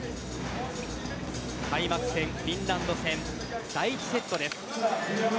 開幕戦・フィンランド戦第１セットです。